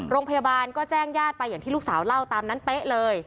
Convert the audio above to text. โรงพยาบาลก็แจ้งญาติไปอย่างที่ลูกสาวเล่าตามนั้นเป๊ะเลย